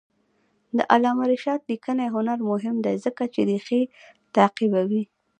د علامه رشاد لیکنی هنر مهم دی ځکه چې ریښې تعقیبوي.